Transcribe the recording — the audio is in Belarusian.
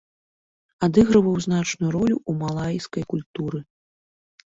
Адыгрываў значную ролю ў малайскай культуры.